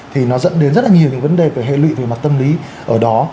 thì nó dẫn đến rất là nhiều những vấn đề về hệ lụy về mặt tâm lý ở đó